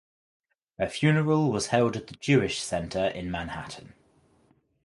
Her funeral was held at the Jewish Center in Manhattan.